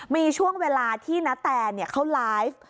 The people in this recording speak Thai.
มีช่วงเวลาที่นาแตนเขาไลฟ์